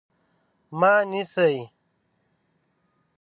_ما نيسئ؟